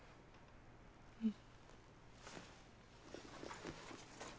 うん。